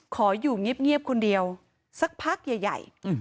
ขออยู่เงียบคนเดียวสักพักใหญ่